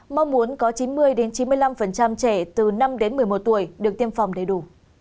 mong muốn có chín mươi chín mươi năm trẻ từ năm đến một mươi một tuổi được tiêm phòng đầy đủ